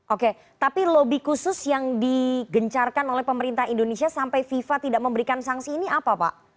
oke tapi lobby khusus yang digencarkan oleh pemerintah indonesia sampai fifa tidak memberikan sanksi ini apa pak